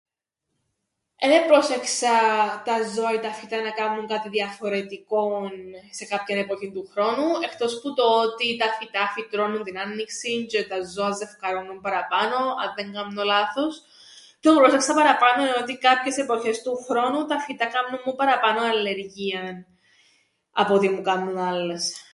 Εν επρόσεξα τα ζώα ή τα φυτά να κάμνουν κάτι διαφορετικόν σε κάποιαν..